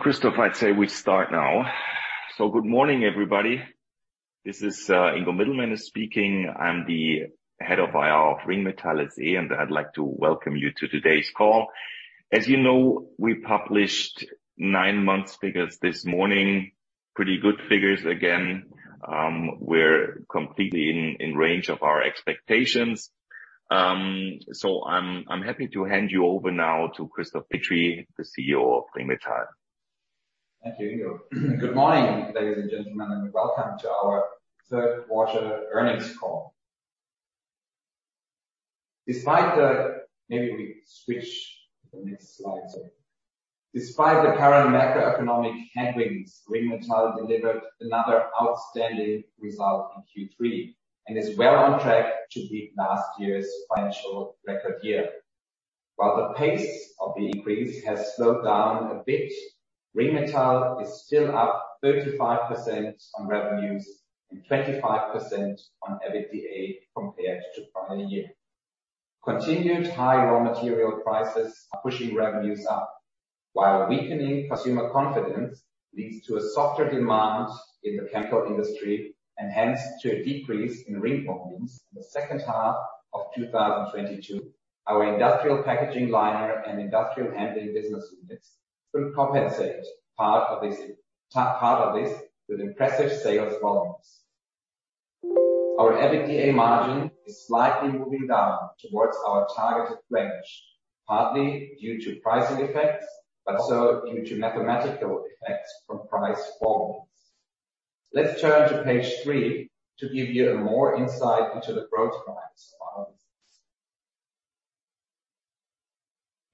Christoph, I'd say we start now. Good morning, everybody. This is Ingo Middelmenne speaking. I'm the Head of IR of Ringmetall SE, and I'd like to welcome you to today's call. As you know, we published nine months figures this morning. Pretty good figures again. We're completely in range of our expectations. I'm happy to hand you over now to Christoph Petri, the CEO of Ringmetall. Thank you, Ingo. Good morning, ladies and gentlemen, and welcome to our third quarter earnings call. Despite the current macroeconomic headwinds, Ringmetall delivered another outstanding result in Q3, and is well on track to beat last year's financial record year. While the pace of the increase has slowed down a bit, Ringmetall is still up 35% on revenues and 25% on EBITDA compared to prior year. Continued high raw material prices are pushing revenues up, while weakening consumer confidence leads to a softer demand in the chemical industry, and hence to a decrease in ring volumes in the second half of 2022. Our Industrial Packaging Liners and Industrial Handling business units could compensate part of this with impressive sales volumes. Our EBITDA margin is slightly moving down towards our targeted range, partly due to pricing effects, but also due to mathematical effects from price falls. Let's turn to page three to give you a more insight into the growth plans of our business.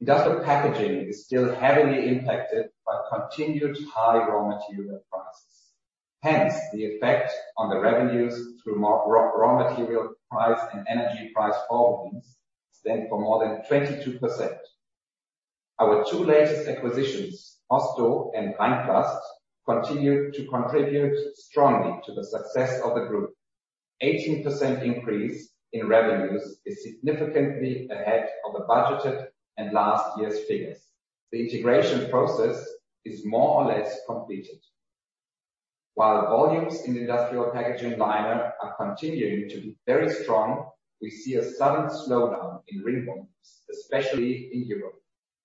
Industrial Packaging is still heavily impacted by continued high raw material prices. Hence, the effect on the revenues through raw material price and energy price fall volumes stand for more than 22%. Our two latest acquisitions, HOSTO and Rhein-Plast, continue to contribute strongly to the success of the group. 18% increase in revenues is significantly ahead of the budgeted and last year's figures. The integration process is more or less completed. While volumes in Industrial Packaging Liners are continuing to be very strong, we see a sudden slowdown in ring volumes, especially in Europe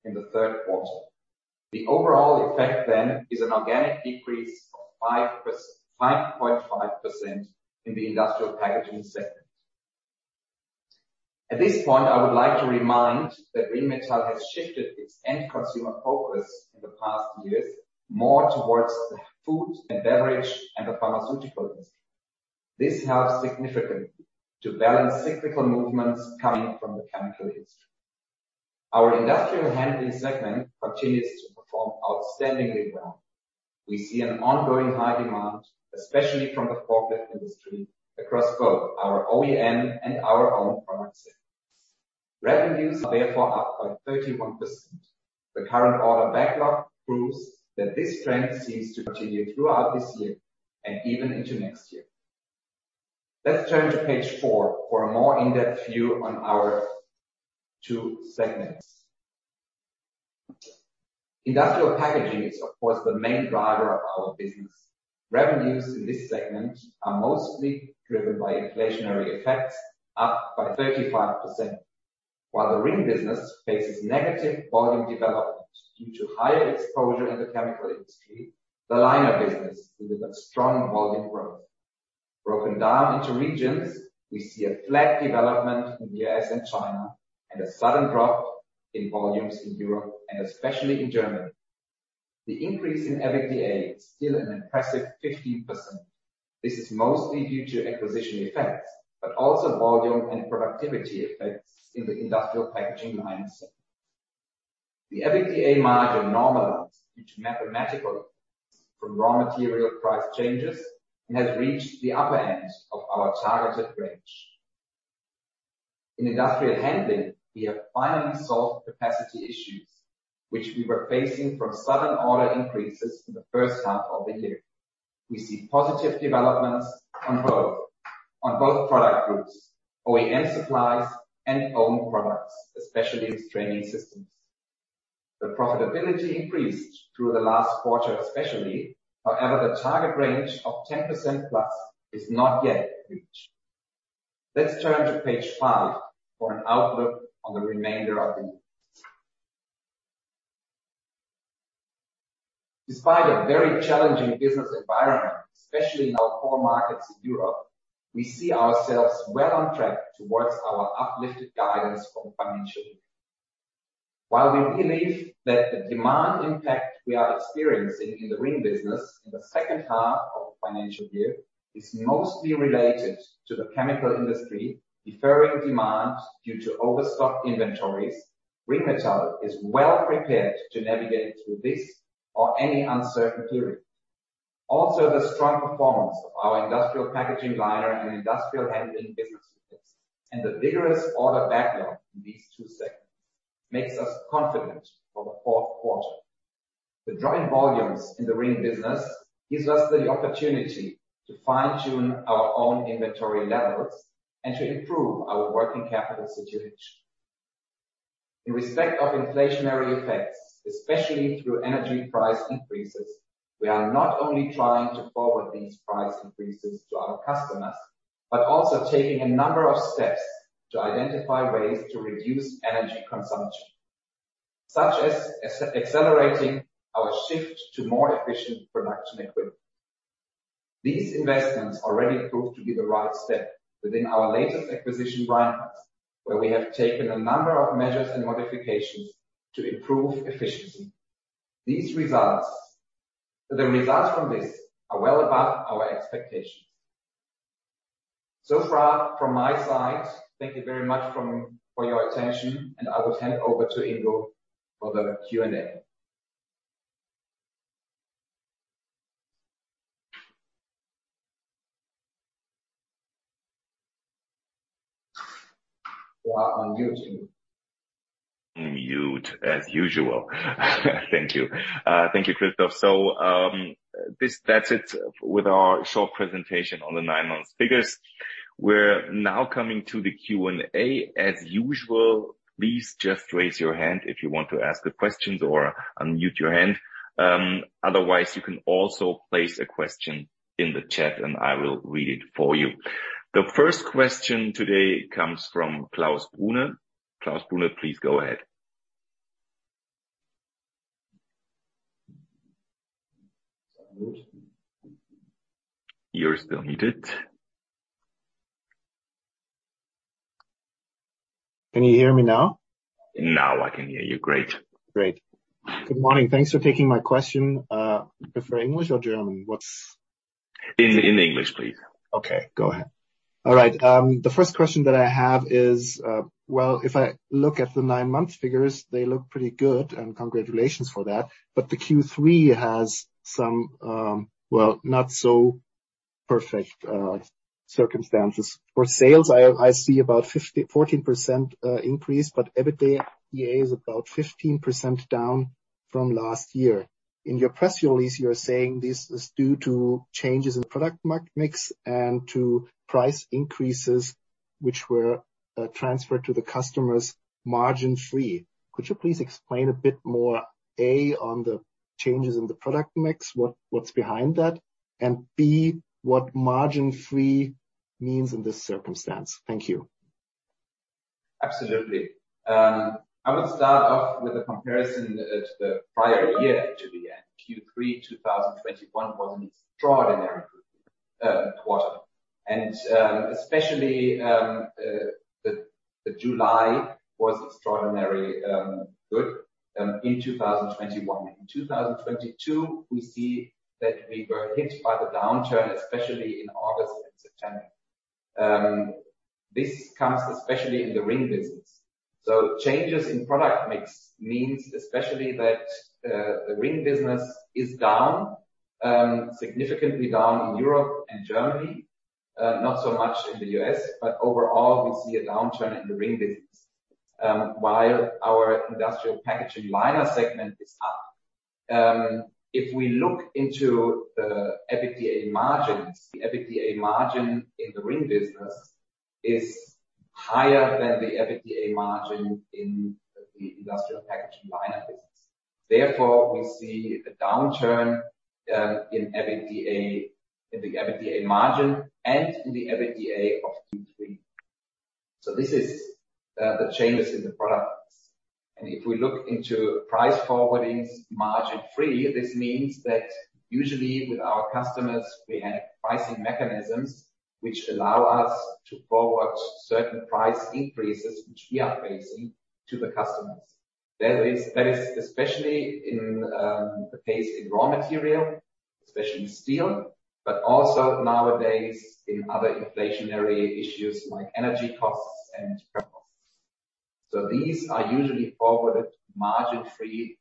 in the third quarter. The overall effect then is an organic decrease of 5.5% in the Industrial Packaging segment. At this point, I would like to remind that Ringmetall has shifted its end consumer focus in the past years, more towards the Food & Beverage and the pharmaceutical. This helps significantly to balance cyclical movements coming from the chemical industry. Our Industrial Handling segment continues to perform outstandingly well. We see an ongoing high demand, especially from the forklift industry across both our OEM and our own product set. Revenues are therefore up by 31%. The current order backlog proves that this trend seems to continue throughout this year and even into next year. Let's turn to page four for a more in-depth view on our two segments. Industrial Packaging is of course the main driver of our business. Revenue in this segment is mostly driven by inflationary effects, up by 35%. While the Ring business faces negative volume development due to higher exposure in the chemical industry, the liner business delivered strong volume growth. Broken down into regions, we see a flat development in U.S. and China, and a sudden drop in volumes in Europe and especially in Germany. The increase in EBITDA is still an impressive 15%. This is mostly due to acquisition effects, but also volume and productivity effects in the Industrial Packaging Liner segment. The EBITDA margin normalized due to [mathematical] from raw material price changes, and has reached the upper end of our targeted range. In Industrial Handling, we have finally solved capacity issues which we were facing from sudden order increases in the first half of the year. We see positive developments on both product groups, OEM supplies and own products, especially strapping systems. The profitability increased through the last quarter especially, however, the target range of 10%+ is not yet reached. Let's turn to page five for an outlook on the remainder of the year. Despite a very challenging business environment, especially in our core markets in Europe, we see ourselves well on track towards our uplifted guidance for the financial year. While we believe that the demand impact we are experiencing in the Ring business in the second half of the financial year is mostly related to the chemical industry deferring demand due to overstock inventories, Ringmetall is well prepared to navigate through this or any uncertain period. Also, the strong performance of our Industrial Packaging Liners and Industrial Handling business units, and the vigorous order backlog in these two segments, makes us confident for the fourth quarter. The drop in volumes in the Ring business gives us the opportunity to fine-tune our own inventory levels and to improve our working capital situation. In respect of inflationary effects, especially through energy price increases, we are not only trying to forward these price increases to our customers, but also taking a number of steps to identify ways to reduce energy consumption, such as accelerating our shift to more efficient production equipment. These investments already proved to be the right step within our latest acquisition, Rhein-Plast, where we have taken a number of measures and modifications to improve efficiency. The results from this are well above our expectations. From my side, thank you very much for your attention, and I would hand over to Ingo for the Q&A. You are on mute. Mute as usual. Thank you. Thank you, Christoph. That's it with our short presentation on the nine-months figures. We're now coming to the Q&A. As usual, please just raise your hand if you want to ask the questions or unmute your end. Otherwise, you can also place a question in the chat, and I will read it for you. The first question today comes from [Klaus Brunner]. [Klaus Brunner], please go ahead. You're still muted. Can you hear me now? Now I can hear you. Great. Great. Good morning. Thanks for taking my question. You prefer English or German? In English, please. Okay, go ahead. All right. The first question that I have is, well, if I look at the nine-month figures, they look pretty good, and congratulations for that. The Q3 has some, well, not so perfect circumstances. For sales, I see about 14% increase, but EBITDA is about 15% down from last year. In your press release, you are saying this is due to changes in product mix and to price increases which were transferred to the customers margin-free. Could you please explain a bit more, A, on the changes in the product mix, what's behind that? And B, what margin-free means in this circumstance? Thank you. Absolutely. I would start off with a comparison to the prior year to begin. Q3 2021 was an extraordinary quarter, and especially the July was extraordinary good in 2021. In 2022 we see that we were hit by the downturn, especially in August and September. This comes especially in the Ring business. Changes in product mix means especially that the Ring business is significantly down in Europe and Germany, not so much in the U.S., but overall, we see a downturn in the Ring business, while our Industrial Packaging Liners segment is up. If we look into the EBITDA margins, the EBITDA margin in the Ring business is higher than the EBITDA margin in the Industrial Packaging Liners business. Therefore, we see a downturn in EBITDA, in the EBITDA margin, and in the EBITDA of Q3. This is the changes in the products. If we look into price forwardings margin-free, this means that usually with our customers, we have pricing mechanisms which allow us to forward certain price increases which we are facing to the customers. That is especially in the case in raw material, especially steel, but also nowadays in other inflationary issues like energy costs and freight costs. These are usually forwarded margin-free.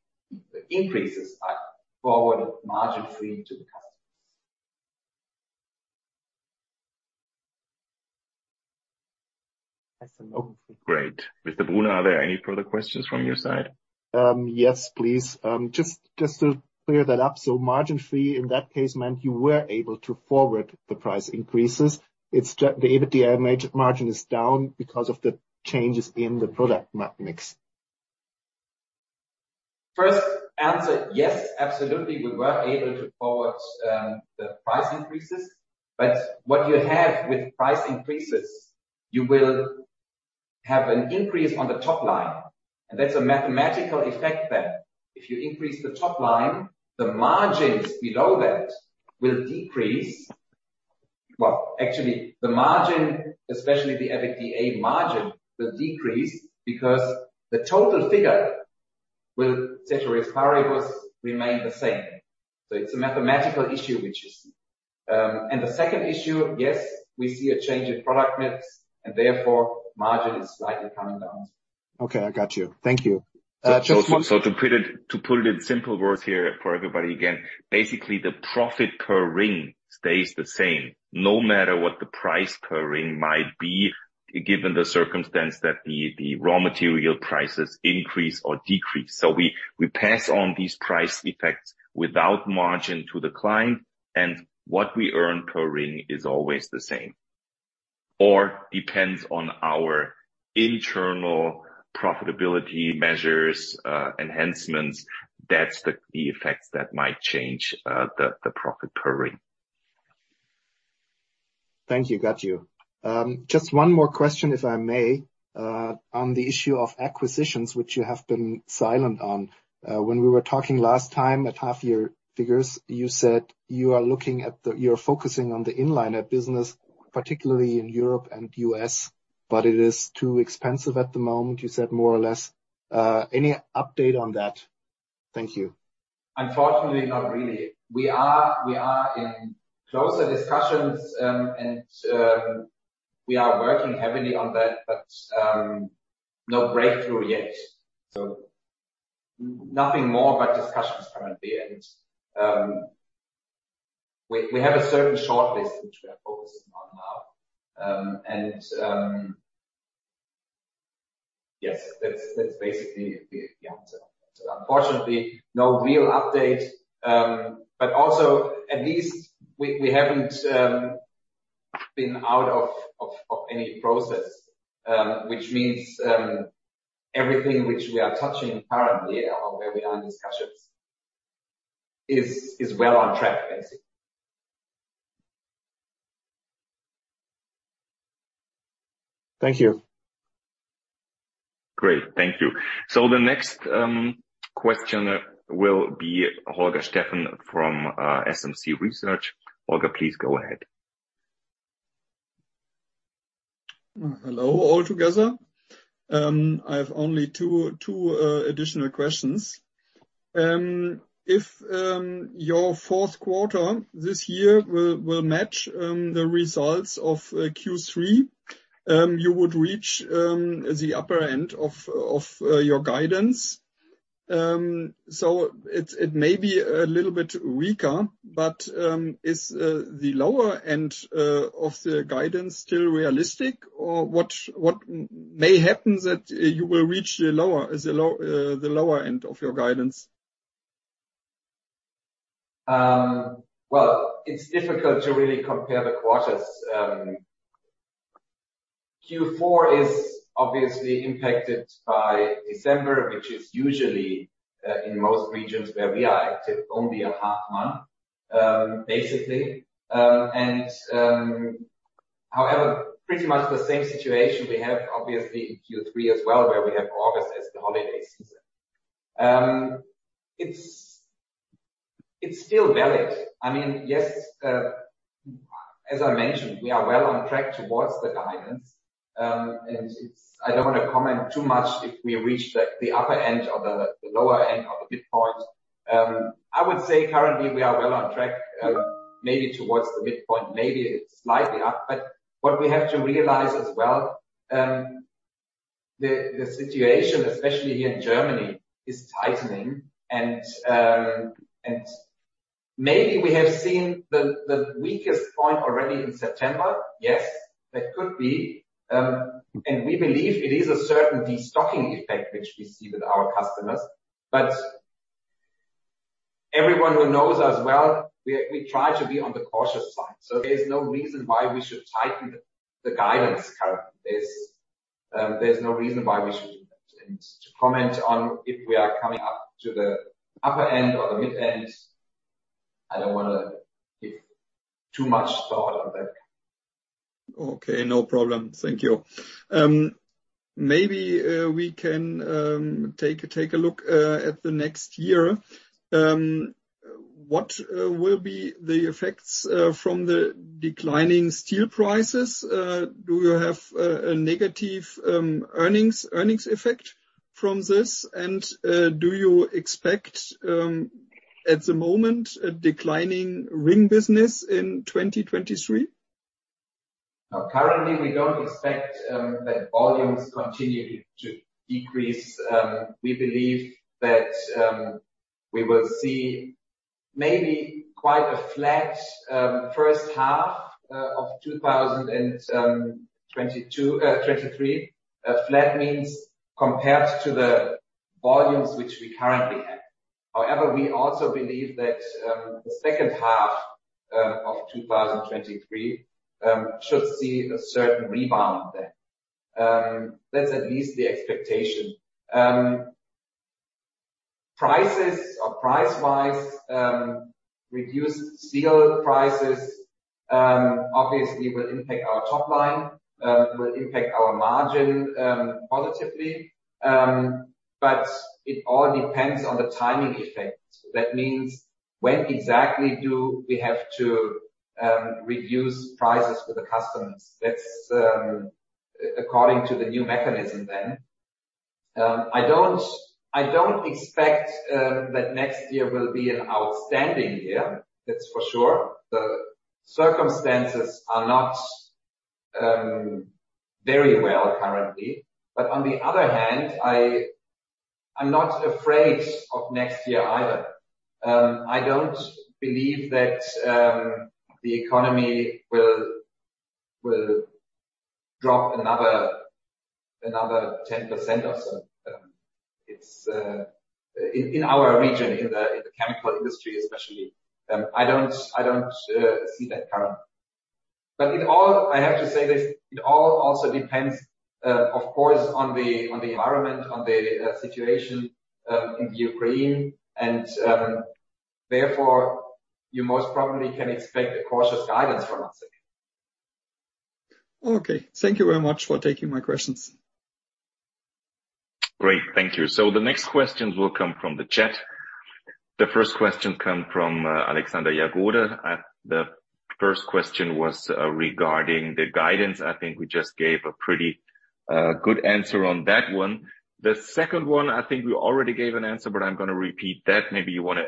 The increases are forwarded margin-free to the customers. That's it, hopefully. Great. [Mr. Brunner], are there any further questions from your side? Yes, please. Just to clear that up. Margin-free in that case meant you were able to forward the price increases. It's just the EBITDA margin is down because of the changes in the product mix. First answer, yes, absolutely, we were able to forward the price increases. What you have with price increases, you will have an increase on the top line. That's a mathematical effect that if you increase the top line, the margins below that will decrease. Well, actually, the margin, especially the EBITDA margin, will decrease because the total figure will remain the same. It's a mathematical issue. The second issue, yes, we see a change in product mix, and therefore margin is slightly coming down. Okay, I got you. Thank you. Just one- To put it in simple words here for everybody, again, basically the profit per ring stays the same no matter what the price per ring might be, given the circumstance that the raw material prices increase or decrease. We pass on these price effects without margin to the client, and what we earn per ring is always the same. Or depends on our internal profitability measures, enhancements. That's the effects that might change the profit per ring. Thank you. Got you. Just one more question, if I may, on the issue of acquisitions, which you have been silent on. When we were talking last time at half year figures, you said you're focusing on the inliner business, particularly in Europe and U.S., but it is too expensive at the moment, you said more or less. Any update on that? Thank you. Unfortunately, not really. We are in closer discussions and we are working heavily on that, but no breakthrough yet. Nothing more but discussions currently. We have a certain shortlist which we are focusing on now. Yes, that's basically the answer. Unfortunately, no real update. Also at least we haven't been out of any process, which means everything which we are touching currently or where we are in discussions is well on track, basically. Thank you. Great. Thank you. The next question will be Holger Steffen from SMC Research. Holger, please go ahead. Hello, all together. I have only two additional questions. If your fourth quarter this year will match the results of Q3, you would reach the upper end of your guidance. It may be a little bit weaker, but is the lower end of the guidance still realistic? Or what may happen that you will reach the lower end of your guidance? Well, it's difficult to really compare the quarters. Q4 is obviously impacted by December, which is usually in most regions where we are active, only a half month, basically. However, pretty much the same situation we have obviously in Q3 as well, where we have August as the holiday season. It's still valid. I mean, yes, as I mentioned, we are well on track towards the guidance. I don't wanna comment too much if we reach the upper end or the lower end or the midpoint. I would say currently we are well on track, maybe towards the midpoint, maybe slightly up. What we have to realize as well, the situation, especially here in Germany, is tightening and maybe we have seen the weakest point already in September. Yes, that could be. We believe it is a certain destocking effect which we see with our customers. Everyone who knows us well, we try to be on the cautious side. There's no reason why we should tighten the guidance currently. There's no reason why we should do that. To comment on if we are coming up to the upper end or the mid-end, I don't wanna give too much thought on that. Okay, no problem. Thank you. Maybe we can take a look at the next year. What will be the effects from the declining steel prices? Do you have a negative earnings effect from this? Do you expect at the moment a declining Ring business in 2023? No. Currently, we don't expect that volumes continue to decrease. We believe that we will see maybe quite a flat first half of 2023. Flat means compared to the volumes which we currently have. However, we also believe that the second half of 2023 should see a certain rebound then. That's at least the expectation. Prices or price-wise, reduced steel prices obviously will impact our top line, will impact our margin positively. But it all depends on the timing effect. That means, when exactly do we have to reduce prices for the customers? That's according to the new mechanism then. I don't expect that next year will be an outstanding year. That's for sure. The circumstances are not very well currently. On the other hand, I'm not afraid of next year either. I don't believe that the economy will drop another 10% or so. It's in our region, in the chemical industry especially, I don't see that currently. I have to say this, it all also depends, of course, on the environment, on the situation in Ukraine, and therefore, you most probably can expect a cautious guidance from us again. Okay. Thank you very much for taking my questions. Great. Thank you. The next questions will come from the chat. The first question comes from [Alexander Jagoda]. The first question was regarding the guidance. I think we just gave a pretty good answer on that one. The second one, I think we already gave an answer, but I'm gonna repeat that. Maybe you wanna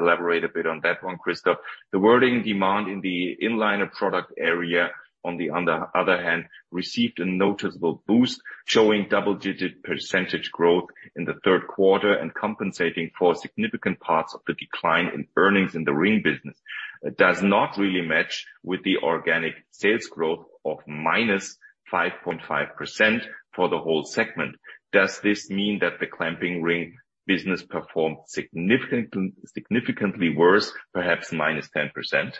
elaborate a bit on that one, Christoph. The wording demand in the inliner product area, on the other hand, received a noticeable boost, showing double-digit percentage growth in the third quarter and compensating for significant parts of the decline in earnings in the Ring business. It does not really match with the organic sales growth of -5.5% for the whole segment. Does this mean that the clamping Ring business performed significantly worse, perhaps -10%?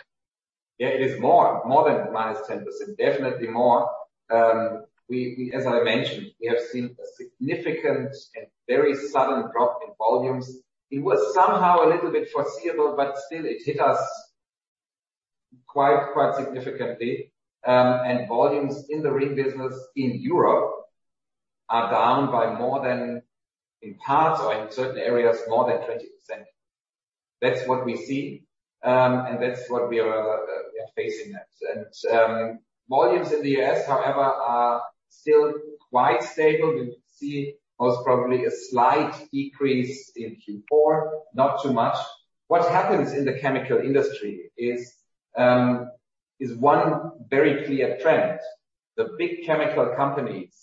Yeah. It is more than -10%. Definitely more. As I mentioned, we have seen a significant and very sudden drop in volumes. It was somehow a little bit foreseeable, but still, it hit us quite significantly. Volumes in the Ring business in Europe are down by more than, in parts or in certain areas, more than 20%. That's what we see, and that's what we are facing there. Volumes in the U.S., however, are still quite stable. We'll see most probably a slight decrease in Q4, not too much. What happens in the chemical industry is one very clear trend. The big chemical companies,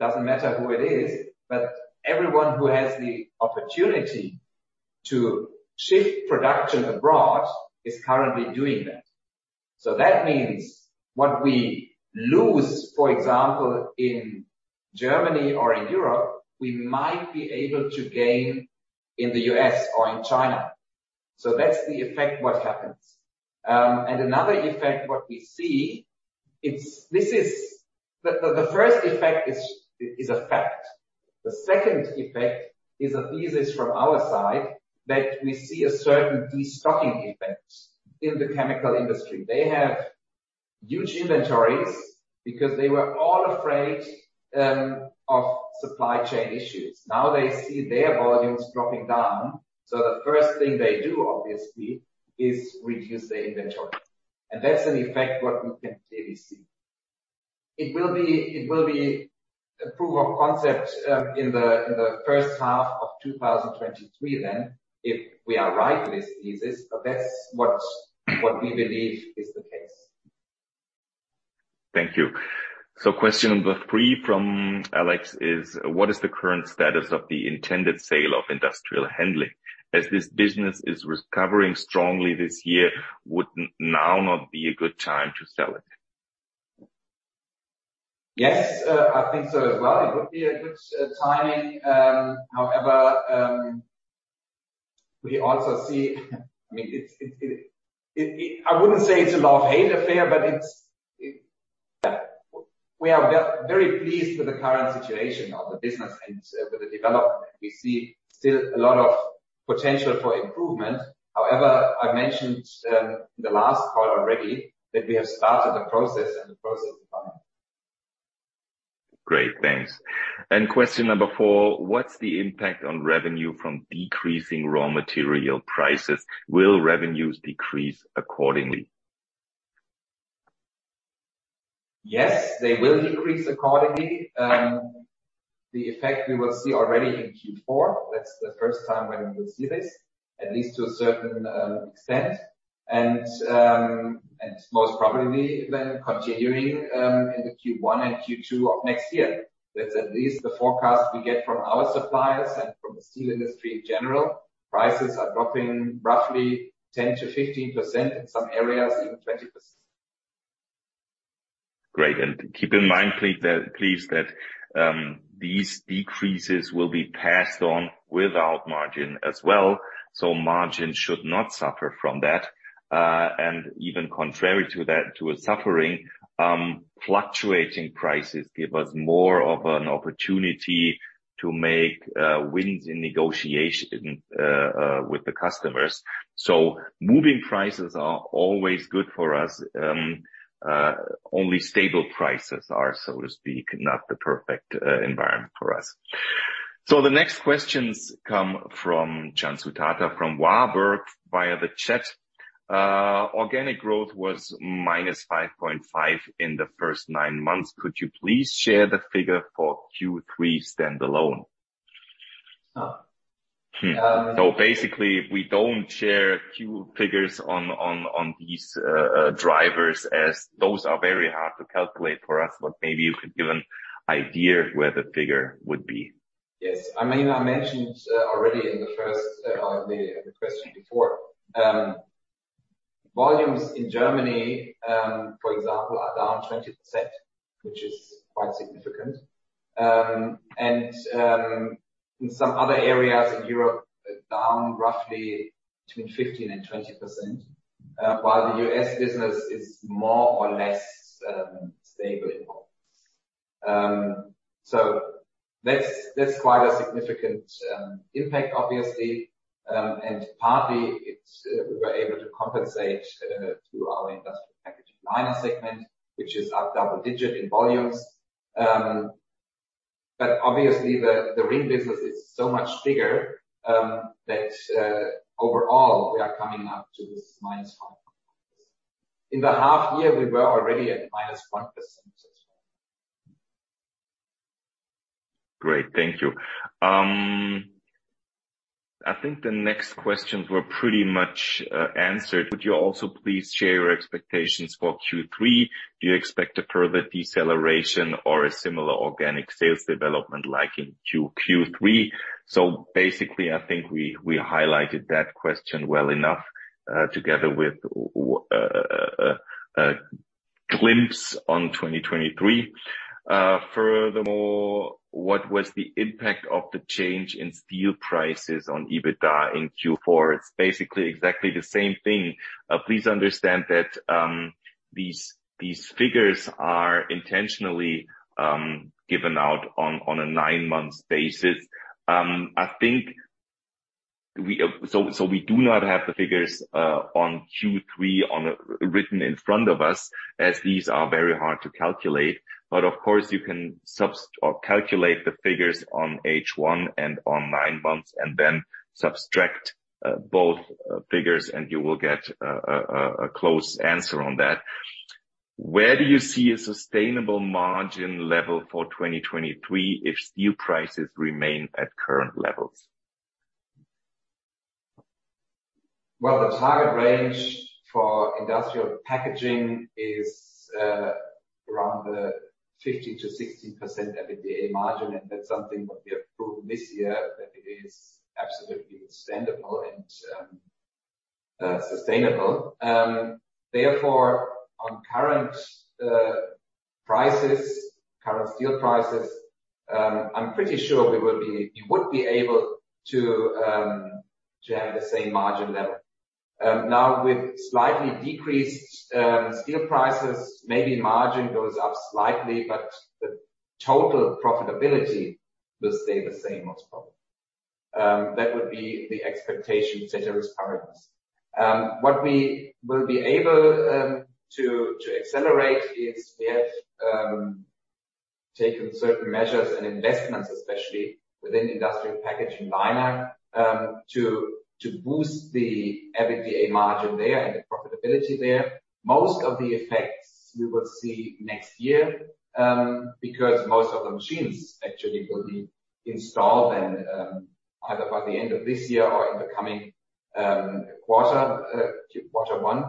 doesn't matter who it is, but everyone who has the opportunity to shift production abroad is currently doing that. That means what we lose, for example, in Germany or in Europe, we might be able to gain in the U.S. or in China. That's the effect what happens. Another effect what we see, the first effect is a fact. The second effect is a thesis from our side that we see a certain destocking effect in the chemical industry. They have huge inventories because they were all afraid of supply chain issues. Now they see their volumes dropping down, so the first thing they do, obviously, is reduce their inventory. That's an effect what we can clearly see. It will be a proof of concept in the first half of 2023 then, if we are right with thesis, but that's what we believe is the case. Thank you. Question number three from Alex is: What is the current status of the intended sale of Industrial Handling? As this business is recovering strongly this year, would now not be a good time to sell it? Yes. I think so as well. It would be a good timing. However, we also see. I wouldn't say it's a love-hate affair, but it's. We are very pleased with the current situation of the business and with the develop. We see still a lot of potential for improvement. However, I mentioned in the last call already that we have started the process and the process is running. Great. Thanks. Question number four: What's the impact on revenue from decreasing raw material prices? Will revenues decrease accordingly? Yes, they will decrease accordingly. The effect we will see already in Q4. That's the first time when we will see this, at least to a certain extent. Most probably then continuing into Q1 and Q2 of next year. That's at least the forecast we get from our suppliers and from the steel industry in general. Prices are dropping roughly 10%-15%, in some areas even 20%. Great. Keep in mind please that these decreases will be passed on without margin as well, so margin should not suffer from that. Even contrary to that, to a suffering, fluctuating prices give us more of an opportunity to make wins in negotiation with the customers. Moving prices are always good for us. Only stable prices are, so to speak, not the perfect environment for us. The next questions come from Cansu Tatar from Warburg via the chat. Organic growth was -5.5% in the first nine months. Could you please share the figure for Q3 standalone? No. Basically, we don't share Q figures on these drivers, as those are very hard to calculate for us, but maybe you could give an idea where the figure would be. Yes. I mean, I mentioned already in the first, maybe the question before. Volumes in Germany, for example, are down 20%, which is quite significant. In some other areas in Europe are down roughly between 15% and 20%, while the U.S. business is more or less stable in volume. That's quite a significant impact obviously. Partly it's we were able to compensate through our Industrial Packaging Liners segment, which is up double-digit in volumes. Obviously the Ring business is so much bigger that overall we are coming up to this -5%. In the half year, we were already at -1% as well. Great. Thank you. I think the next questions were pretty much answered. Would you also please share your expectations for Q3? Do you expect a further deceleration or a similar organic sales development like in Q3? Basically, I think we highlighted that question well enough together with a glimpse on 2023. Furthermore, what was the impact of the change in steel prices on EBITDA in Q4? It's basically exactly the same thing. Please understand that these figures are intentionally given out on a nine-month basis. I think we do not have the figures on Q3 written in front of us, as these are very hard to calculate. Of course, you can calculate the figures on H1 and on nine months and then subtract both figures, and you will get a close answer on that. Where do you see a sustainable margin level for 2023 if steel prices remain at current levels? Well, the target range for Industrial Packaging is around 50%-60% EBITDA margin, and that's something that we have proven this year that it is absolutely understandable and sustainable. Therefore, on current prices, current steel prices, I'm pretty sure we would be able to have the same margin level. Now with slightly decreased steel prices, maybe margin goes up slightly, but the total profitability will stay the same most probably. That would be the expectation set as targets. What we will be able to accelerate is we have taken certain measures and investments, especially within Industrial Packaging Liners, to boost the EBITDA margin there and the profitability there. Most of the effects we will see next year, because most of the machines actually will be installed and either by the end of this year or in the coming quarter one.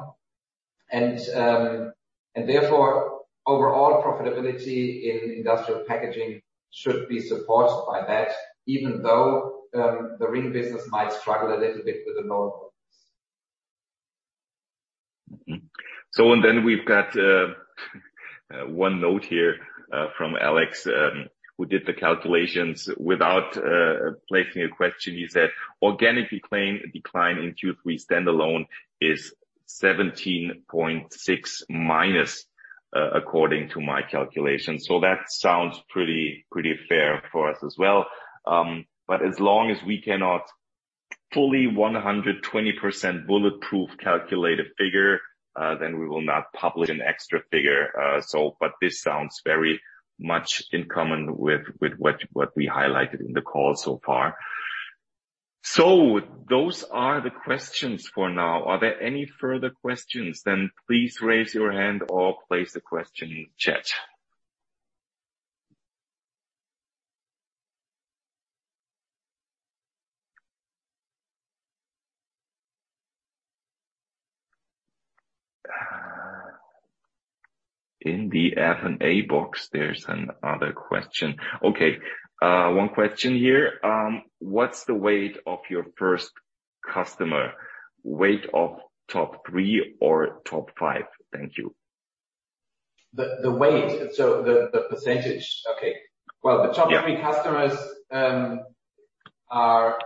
Therefore, overall profitability in Industrial Packaging should be supported by that, even though the Ring business might struggle a little bit with the low volumes. We've got one note here from Alex who did the calculations without placing a question. He said, "Organic decline in Q3 standalone is 17.6%-, according to my calculations." That sounds pretty fair for us as well. But as long as we cannot fully 120% bulletproof calculate a figure, then we will not publish an extra figure. But this sounds very much in common with what we highlighted in the call so far. Those are the questions for now. Are there any further questions? Please raise your hand or place the question in chat. In the [F&A] box, there's another question. Okay. One question here. What's the weight of your first customer? Weight of top three or top five? Thank you. The weight. The percentage. Okay. Well, the top. Yeah Three customers are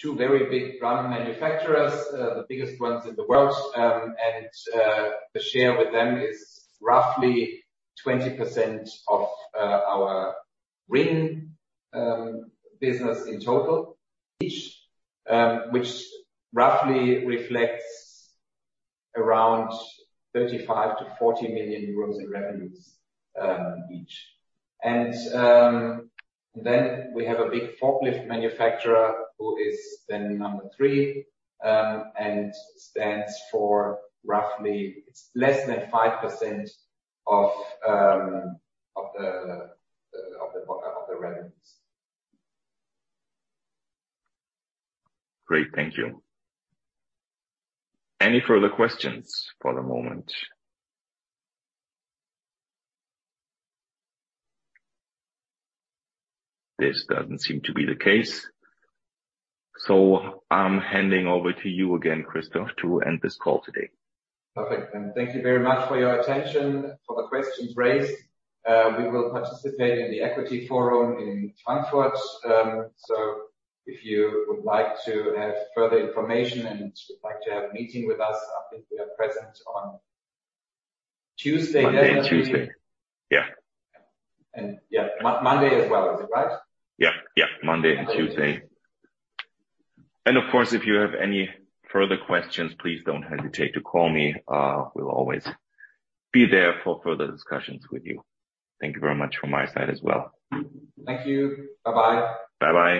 two very big brand manufacturers, the biggest ones in the world. The share with them is roughly 20% of our Ring business in total each. Which roughly reflects around 35 million-40 million euros in revenues each. Then we have a big forklift manufacturer who is then number three and stands for roughly. It's less than 5% of the revenues. Great. Thank you. Any further questions for the moment? This doesn't seem to be the case, so I'm handing over to you again, Christoph, to end this call today. Perfect. Thank you very much for your attention, for the questions raised. We will participate in the Equity Forum in Frankfurt. If you would like to have further information and would like to have a meeting with us, I think we are present on Tuesday definitely. Monday and Tuesday. Yeah. Yeah. Monday as well, is it, right? Yeah. Yeah. Monday and Tuesday. Of course, if you have any further questions, please don't hesitate to call me. We'll always be there for further discussions with you. Thank you very much from my side as well. Thank you. Bye-bye. Bye-bye.